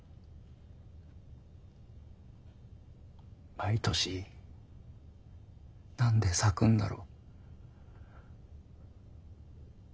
毎年何で咲くんだろ。